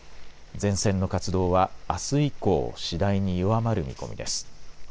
前線の活動は、あす以降、次第に弱まる見込みです。